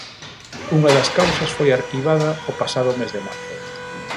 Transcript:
Unha das causas foi arquivada o pasado mes de marzo.